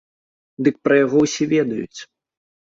Дык пра яго ўсе ведаюць!